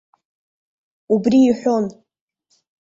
Убри иҳәон.